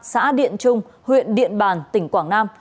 xã điện trung huyện điện bàn tỉnh quảng nam